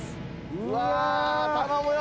うわ頼むよ。